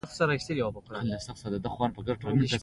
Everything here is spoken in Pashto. تله د مني رنګونو ته اشاره کوي.